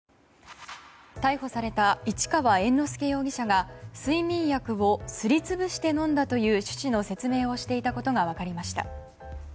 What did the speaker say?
逮捕された市川猿之助容疑者が睡眠薬をすり潰して飲んだという趣旨の説明をしていたことが分かりました。